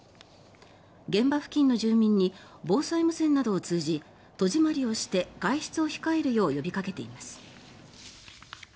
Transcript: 現場付近の住民に防災無線などを通じ戸締まりをして外出を控えるよう呼びかけています。